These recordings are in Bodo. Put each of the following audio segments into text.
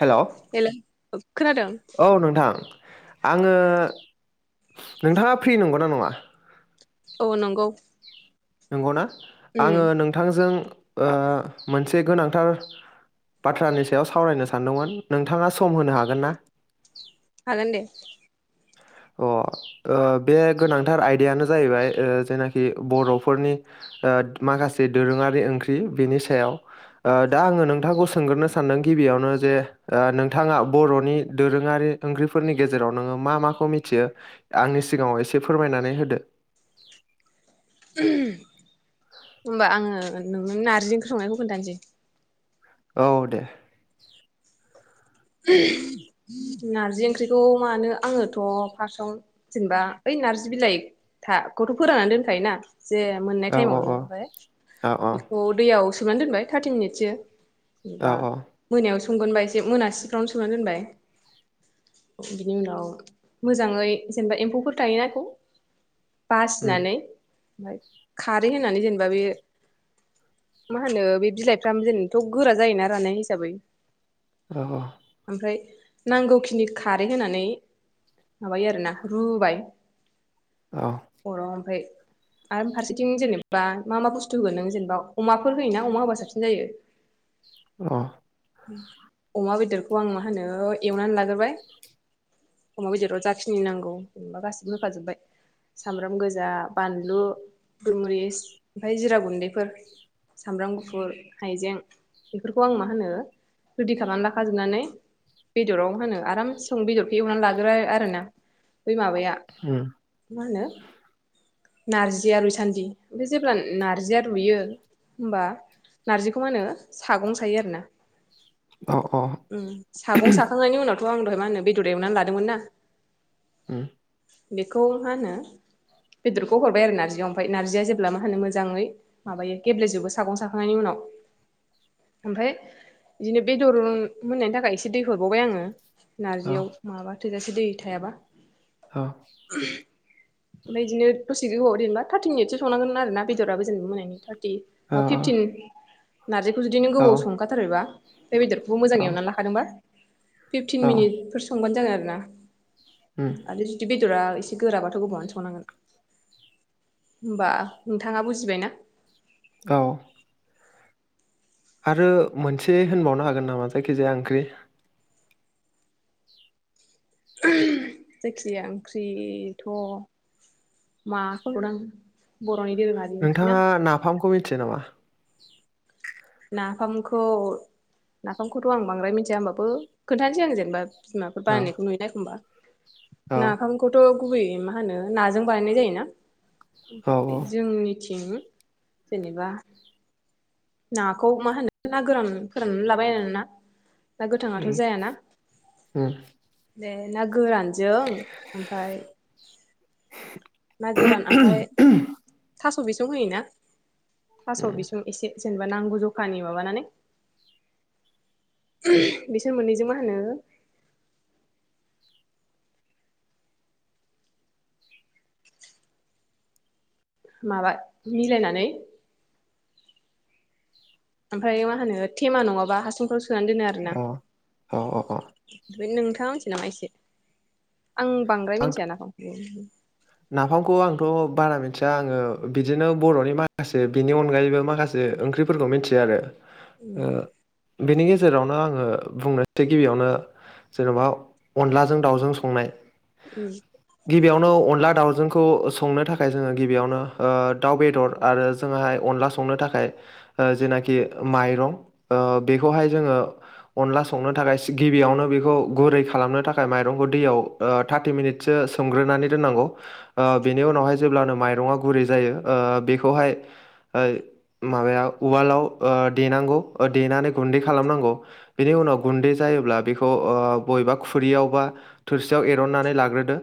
हेल' हेलौ खोनादों औ नोंथां। आङो नोंथाङा फ्रि नंगौना नङा? औ नंगौ। नंगौ ना? उम आङो नोंथांजों ओ मोनसे गोनांथार बाथ्रानि सायाव सावरायनो सानदोंमोन नोंथाङा सम होनो हागोन ना? हागोनदे। अ ओ बे गोनांथार आयदायानो जाहैबाय ओ जेनाखि बर'फोरनि माखासे दोरोङारि ओंख्रि बेनि सायाव। ओ दा आङो नोंथांखौ सोंग्रोनो सानदों गिबियावनो जे ओ नोंथाङा बर'नि दोरोङारि ओंख्रिफोरनि गेजेराव नोङो मा माखौ मिथ थियो आंनि सिगाङाव एसे फोरमायनानै होदो। [inaudible] होमबा आङो नोंनो नार्जि ओंख्रि संनायखौ खोनथानोसै। औ दे। नारजि ओंख्रिखौ मानो आङोथ' फार्स्टआव जेनेबा ओइ नार्जि बिलाइ था खौथ' फोराननानै दोनखायोना जे मोननाय औ टाइमावनो ओमफ्राय औ बेखौ दैयाव सोमनानै दोनबाय थार्टि मिनिटसो औ जेनेबा औ मोनायाव स संगोनबा एसे मोनासि फोराव सोननानै दोनबाय। औ बिनि उनाव मोजाङै जेनेबा एम्फौफोर थायोना बेखौ उम बासिनानै ओमफ्राय खारै होनानै जेनेबा बे मा होनो बे बिलाइफ्राम जेनथ' गोरा जायोना राननाय हिसाबै। औ। ओमफ्राय नांगौखिनि खारै होनानै माबायो आरोना रुबाय औ अराव ओमफाय आरो फारसेथिं जेनेबा मा मा बुस्थु होगोन नों जेनेबा अमाफोर होयोना अमा होबा साबसिन जायो। अ। अमा बेदर खौ आं मा होनो एवनानै लाग्रोबाय। अमा बेदराव जाखिनि नांगौ जेनेबा गासिबो होखाजोबबाय सामब्राम गोजा, बानलु, गलमुरिस, ओमफफ्राय जिरा गुन्दैफोर, सामब्राम गुफुर, हाइजें बेफोरखौ आं माहोनो रेदि खालामनानै लाखाजोबनानै बेदराव होनो आराम सं बेदरखौ एवनानै लाग्रोबाय आरोना। बै माबाया उम मा होनो नार्जिया रुइसान्दि, ओमफ्राय जेब्ला नार्जिया रुयो होमबा नार्जिखौ मा होनो सागं सायो आरोना। अ अ। उम सागं साखांनायनि उनाव बेखौ आं दहाय मा होनो बेदर एवनानै लादोंमोन ना। ओ। बेखौ मा होनो बेदरखौ हरबाय आरो नार्जियाव ओमफ्राय नार्जिया जेब्ला मा होनो मोजाङै माबायो गेब्लेजोबो सागं साखांनायनि उनाव ओमफ्राय इदिनो बेदर मोननायनि थाखाय एसे दै हरबावबाय आङो। नारजियाव माबा थोजासे दै थायाबा ह ओमफाय इदिनो दसे गोबाव देनेबा थार्टि मिनिटसो संनांगोन आर ना बेदराबो जेनेबा मोननायनि। थार्टि अ फिफ्टिन। नार्जिखौ जुदि नों गोबाव संखाथारोबा [unintelligible] बेदरखौ मोजाङै एव लाखादोंबा फिफ्टिन औ मिनिटफोर संबानो जागोन आरो। उम ब्ला आरो [unintelligible] बेदरा एसे गोराबाथ' गोबावानो संनांगोन होमबा नोंथाङा बुजिबाय ना? औ आरो मोनसे होनबावनो हागोन नामा जायखिजाया ओंख्रि? जायखिजाया ओंख्रिथ' मा होनबावनो आं बर'नि दोरोङारि ओंख्रि ना नोंथाङा नाफामखौ जेन'बा नाफामखौ नाफामखौथ‌' आं बांद्राय मिथिया होमबाबो खोनथानोसै आं जेनेबा। बिमाफोर औ बानायनायखौ नुयोना एखनबा। औ नाफामखौथ' गुबैयै मा होनो नाजों बानायनाय जायोना? औ ओमफाय जोंनि होम जेनेबा नाखौ मा होनो ना गोरान फोराननानै लाबाय आरोना। ना उम गोथाङाथ' जायाना। उम बे ना गोरानजों ओमफाय [inaudible] थास' बिसं होयोना थास' उम बिसं एसे जेनेबा नांगौ जखानि माबानानै बिसोर मोननैजों मा होनो माबा मिलायनानै ओमफ्राय मा होनो थेमा नङाबा हासुंफ्राव सो सोनानै दोनो आरोना औ औ औ [unintelligible] नोंथां। [unintelligible] एसे आं बांद्राय आंथ' मिथिया नाफामखौ नाफामखौ आंथ' बारा मोन थिया आङो बिदिनो बर'नि माखासे बिनि अनगायैबो माखासे ओंख्रिफोरखौ मिन्थियो आरो। ओ उम बेनि गेज जेरावनो आङो बुंनोसै गिबियावनो जेनबा अनलाजों दावजों संनाय उम गिबियावनो अनला दाउजोंखौ संनो थाखाय जोङो गिबियावनो ओ दाउ बेदर आरो जोंङाहाय अनला संनो थाखाय जेनाखि माइरं ओ बेखौहाय जोङो अनला संनो थाखाय सि गिबियावनो बेखौ गुरै खालामनो थाखाय माइरंखौ दैयाव ओ थार्टि मिनिटसो सोमग्रोनानै दोननांगौ बेनि उनावहाय जेब्लानो माइरङा गुरै जायो ओ बेखौहाय ओ‌ माबाया उवालाव ओ देनांगौ ओ देनानै गुन्दै खालामनांगौ बेनि उनाव गुन्दै जायोब्ला बेखौ ओ बबेबा खुरियाव बा थोरसियाव एरना दिरननानै लाग्रोदो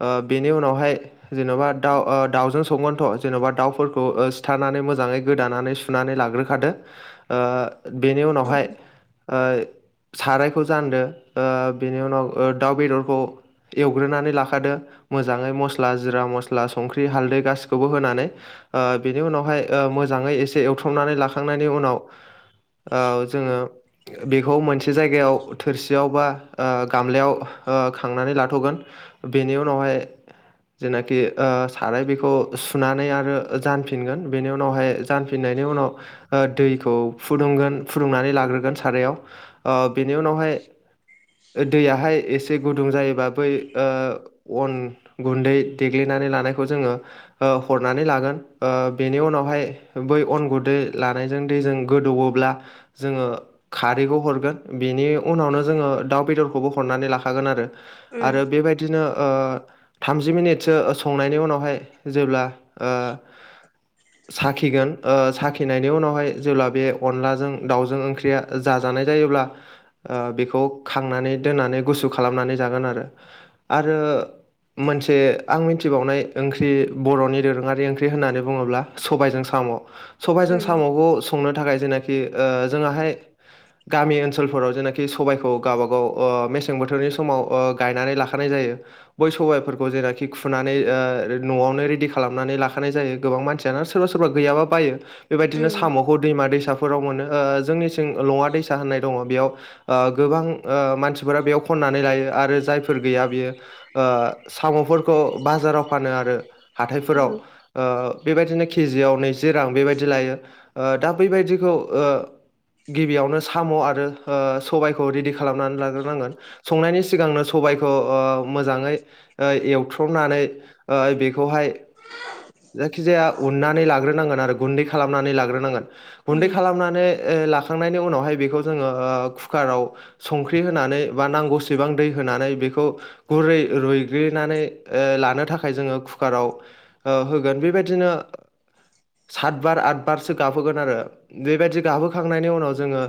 ओ बेनि उनावहाय जेनबा दाउ ओ दाउजों संगोनथ जेनबा दाउफोरखौ ओ‌ सिथारनानै मोजाङै गोदानानै सुनानै लाग्रोखादो ओ बेनि उनावहाय ओ सारायखौ जानदो ओ बेनि उनाव ओ दाउ बेदरखौ एवग्रोनानै लाखादो मोजाङै मस्ला जिरा मस्ला संख्रि हालदै गासिखौबो होनानै ओ बेनि उनावहाय ओ मोजाङै एसे एवथ्रमनानै लाखांनायनि उनाव ओव जोङो बेखौ मोनसे जायगायाव थोरसियाव बा ओ गामलायाव ओ खांनानै ला थगोन‌ बेनि‌ उनावहाय जेनाखि ओ सारायाव बेखौ सुनानै आरो जानफिनगोन बेनि‌ उनावहाय जानफिननायनि उनाव ओ दैखौ फुदुंगोन फुदुंनानै लाग्रोगोन सारायाव ओ बेनि उनावहाय ओ‌ दैयाहाय एसे गुदुं जायोबा बै ओ अन गुन्दै देग्लिनानै लानायखौ जोङो ओ हरनानै लागोन ओ बेनि उनावहाय बै अन गुन्दै लानायजों दैजों गोदौवोब्ला जोङो खारैखौ हरगोन बेनि उनावनो जोङो दाउ बेदरखौबो हरनानै लाखागोन आरो आरो बेबायदिनो ओ थामजि मिनिटसो संनायनि उनावहाय जेब्ला ओ साखिगोन ओ साखिनायनि उनावहाय जेब्ला बे अनलाजों दाउजों ओंख्रिया जाजानाय जायोब्ला ओ बेखौ खांनानै दोननानै गुसु खालामनानै जागोन आरो आरो मोनसे आं मिथिबावनाय ओंख्रि बर'नि दोरोङारि ओंख्रि होननानै बुङोब्ला सबायजों साम' सबायजों उम साम'खौ संनो थाखाय जेखि ओ जोङोहाय गामि ओनसोलफोराव जेनाखि सबायखौ गावबा गाव ओ मेसें बोथोरनि समाव ओ गायनानै लाखानाय जायो बै सबाइफोरखौ जेनाखि खुनानै ओ न'आवनो रेडि खालामनानै लाखानाय जायो गोबां मानसियानो सोरबा सोरबा गैयाबा बायो बेबायदिनो उम उम साम'खौ दैमा दैसा फोराव मोन ओ जोंनि थिं लङा दैसा होननाय दङ बेयाव ओ गोबां ओ मानसिफोरा बेयाव खननानै लायो आरो जायफोर गैया बियो ओ साम'फोरखौ बाजाराव फानो आरो हाथायफोराव उम ओ बेबायदिनो केजियाव नैजि रां बेबायदि लायो ओ दा बैबायदिखौ ओ गिबियावनो साम' आरो ओ सबायखौ रेदि खालामनानै लाग्रोनांगोन संनायनि सिगांनो स सबायखौ ओ मोजाङै ओ एवथ्रमनानै ओ बेखौहाय जायखिजाया उननानै लाग्रोनांगोन आरो गुन्दै खालामनानै लाग्रोनांगोन गुन्दै उम खालामनानै ओ लाखांनायनि उनावहाय बेखौ जोङो ओ कुकाराव संख्रि होनानै बा नांगौसेबां दै होनानै बेखौ गुरै रुइग्लिनानै ओ लानो थाखाय जोङो कुकाराव ओ होगोन बेबायदिनो सातबार आदबारसो गाबहोगोन आरो बेबायदि गाबहोखांनायनि उनाव जोङो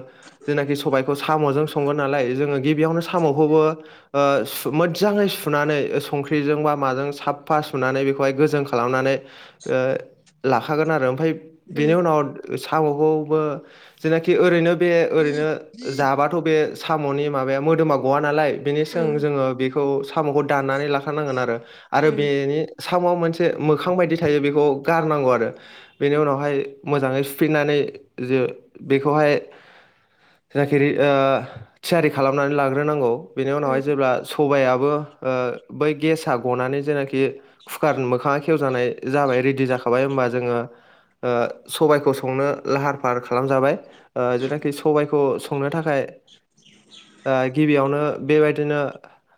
जेनाखि सबायखौ साम'जों संगोन नालाय जोङो गिबियावनो साम'खौबो ओ सु मोजाङै सुनानै संख्रिजों बा माजों साफा सुनानै बेखौहाय गोजों खालामनानै ओ लाखागोन आरो ओमफाय उम बेनि उनाव साम'खौबो जेनाखि ओरैनो बे ओरैनो जाबाथ' बे साम'नि माबाया मोदोमा गवा नालाय बे जों जोङो बेख खौ साम'खौ दाननानै लाखानांगोन आरो आरो उम बेनि साम'वाव मोनसे मोखां बायदि थायो बेखौ गारनांगौ आरो बेनि उनावहाय मोजाङै सुफिननानै जे बेखौहाय जायखिरि ओ थियारि खालामनानै लाग्रोनांगौ बिनि उम उनावहाय सबायाइाबो ओ बै गेस गनानै जेनाखि कुकार मोखाङा खेवजानाय जाबाय रेडि जाखाबाय होमबा जोङो ओ सबायाइखौ संनो लाहार फाहार खालामजाबाय ओ जेनाखि सबायखौ संनो थाखाय ओ गिबियावनो बेबाय दिनो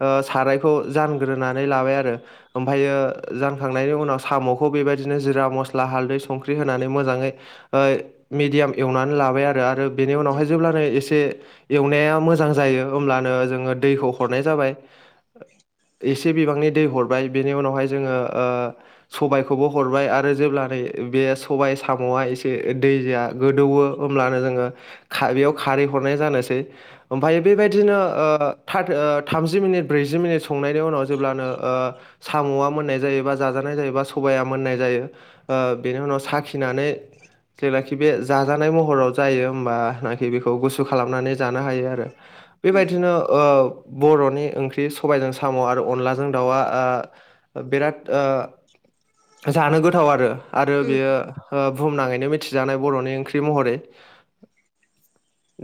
ओ साराइखौ जानग्रोनानै लाबाय आरो ओमफायो जाखांनायनि उनाव साम'खौ बेबायदिनो जिरा, माब्ला, हाल्दै, संख्रि होनानै मोजाङै ओ मिडियाम एउनानै लाबाय आरो बिनि उनावहाय जेब्लानो एसे एवनाया मोजां जायो होमब्लानो जोङो दैखौ हरनाय जाबाय एसे बिबांनि दै हरबाय बेनि उनावहाय जोङो ओ सबायखौबो हरबाय आरो जेब्लानो बे सबाय साम'आ एसे दैया गोदौवो होमब्लानो जोङो खा बेयाव खारै हरनाय जानोसै ओमफाय बेबायदिनो ओ थार ओ थामजि मिनिट ब्रैजि मिनिट संनायनि उनाव जेब्लानो ओ साम'आ मोननाय जायोबा जाजानाय जायोबा सबाइया मोननाय जायो ओ बेनि उनाव साखिनानै जेब्लाखि बे जाजानाय महराव जायो होमबाखि बेखौ गुसु खालामनानै जानो हायो आरो उम बेबायदिनो ओ बर'नि ओंख्रि सबायजों साम' आरो अनलाजों दाउआ ओ बिराद ओ जानो गोथाव आरो आरो उम बेयो ओ बुहुमनाङैन नो मिथिजानाय बर'नि ओंख्रि महरै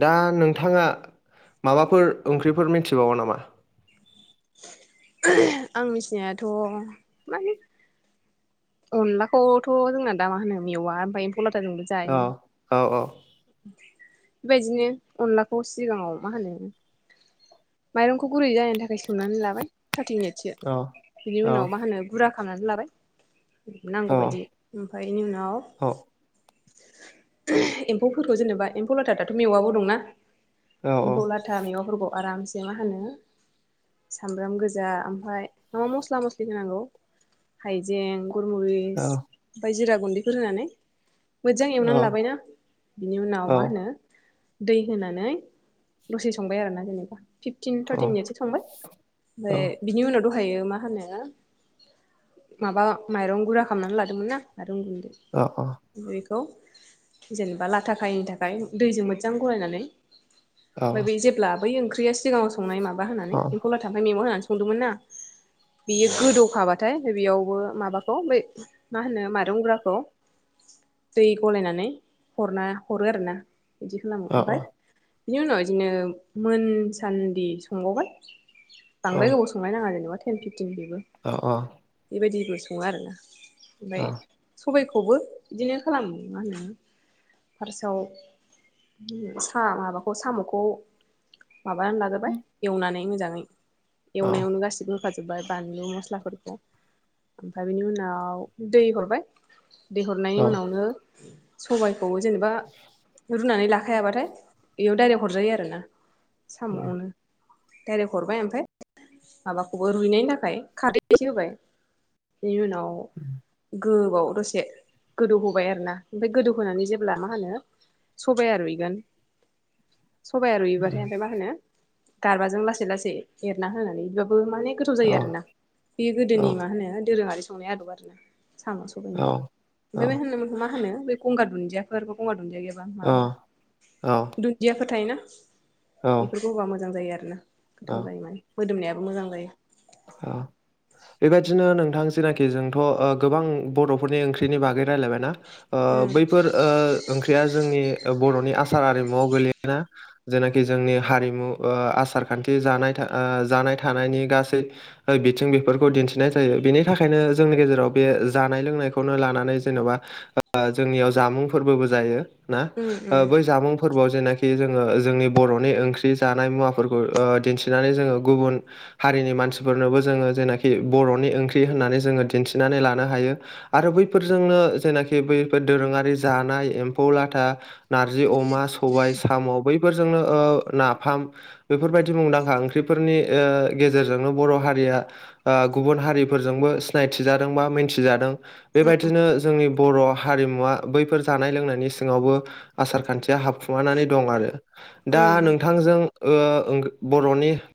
दा नोंथाङा माबाफोर ओंख्रिफोर मोन्थि बावो नामा? ओह आं मिथिनायाथ' मानि अनलाखौथ' जोंना दा मा होनो मेवा ओमफाय फौलाथा जोंबो औ जायो। औ औ बेबायदिनो अनलाखौ सिगाङाव मा होनो माइरंखौ गुरै जानायनि थाखाय सोमनानै लाबाय थारटि सो औ बिनि औ उनाव मा होनो गुरा खालामनानै लाबाय। औ नांगौबायदि ओमफ्राय बेनि उनाव औ एम्फौफोरखौ जेनेबा एम्फौ लाथा दाथ मेवबो दंना औ एम्फौ लाथा मैगंफोरखौ आरामसे मा होनो सामब्राम गोजा ओमफाय माबा मस्ला मस्लि होनांगौ हाइजें गुलमुरिस औ ओनफाय जिरा गुन्दैफोर होनानै मोजां औ एवनानै लाबायना बिनि उनाव औ मा होनो? दै होनानै दसे संबाय आरोना जेनेबा फिफटिन थार्टिन मिनिटसो औ थांबाय ओमफ्राय दहायो मा होनो माबा माइरं गुरा खालामनानै लादोंमोन ना आरो औ औ [unintelligible] बेखौ जेनेबा लाथा खायिनि थाखाय दैजों मोजां गलायनानै औ ओमफ्राय बे जेब्ला बै ओंख्रै [unintelligible] संनाय माबा औ होनानै एम्फौ लाथा मेवा होनानै संदोंमोन ना बियो गोदौखाबाथाय बेयावबो माबाखौ बै मा होनो माइरंग्राखौ दै गलायनानै हरना हरो आरो ना। बिदि खालामो औ उम ओमफ्राय बिनि उनाव बिदिनो मोनसान्दि संबावबाय। बांद्राय गोबाव नाङा जेनेबा थेन बेबो बेबायदि सङो आरोना ओमफ्राय सबायखौबो बिदिनो खालामो मा होनो फार्स्टआव सा माबाखौ सामखौ माबानानै लागोरबाय एवनानै मोजां नै एवनायावनो गासिबो होफाजोबबाय बानलु मस्लाफोरखौ ओमफ्राय बिनि उनाव दै हरबाय दैहरनायनि उनावनो सबाय जेनेबा रुनानै ला थाखायाबाथाय बेयाव दडाइरेक्ट हरजायो आरो ना साम'आवनो डाइरेक्ट हरबाय ओमफाय माबाखौबो रुइनायनि थाखाय खारै एसे होबाय बेनि उनाव उम गोबाव दसे गोदौहोबाय आरोना ओमफ्राय गोदौहोनानै जेब्ला मा होनो सबाइआ रुइगोन सबाया रुइयोबाथाय ओमफाय मा होनो गारबाजों लासै लासै एरना होनानै बो माने गोथाव औ जायोना बे औ गोदोनि मा होनो दोरोंआरि संनाय आदब आरोना साम' सबायनि ओमफाय बे होनोमोनखौ मा होनो बे गंगार दुन्दियाफोरखौ दुन्दिया गैयाबा माबाफोर दुन्दियाफो थायोना। बेफोरखौ होबा मोजां जायो आरो ना औ गोथाव औ जायो माने मोदोमनायाबो मोजां जायो औ बेबायदिनो नोंथां जिनाखि जोंथ' ओ गोबां बर'फोरनि ओंख्रिनि बागै रायलायबाय ना ओ उम बैफोर ओ ओंख्रिया जोंनि बर'नि आसार आरिमुआव गोलैयोना जेनाखि जोंनि हारिमु ओ आसार खान्थि बे जानाय था ओ जानाय थानायनि गासै बिथिं बेफोरखौ दिन्थिनाय जायो बेनि थाखायनो जोंनि गेजेराव बे जानाय लोंनायखौनो लानानै जेन'बा जोंनियाव जामुंफोरबोबो जायो ना उम उम ओ बै जामुं फोरबोआव जेनाखि जोङो जोंनि बर'नि ओंख्रि जानाय मुवाफोरखौ ओ दिन्थिनानै जोङो गुबुन हारिनि मानसिफोरनोबो जोङो जेनाखि बर'नि ओंख्रि होननानै जोङो दिन्थिनानै लानो हायो आरो बैफोरजोंनो जेनाखि बैफोर दोरोङारि जानाय एम्फौ लाथा नारजि अमा सबाय साम' बै बेफोरजोंनो ओ नाफाम बेफोरबायदि मुंदांखा ओंख्रिफोरनि ओ गेजेरजोंनो बर' हारिया आ गुबुन हारिफोरजोंबो सिनायथिजादों बा मिन्थिजादों बेबायदिनो जोंनि बर' हारिमुवा बैफोर जानाय लोंनायनि सिङावबो आसार खान्थिया हाबखुमानानै दं आरो। दा उम नोंथांजों ओह ओंख बर'नि